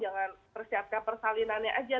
jangan persiapkan persalinannya aja